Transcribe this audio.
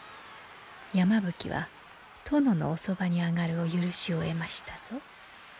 山吹は殿のおそばに上がるお許しを得ましたぞ。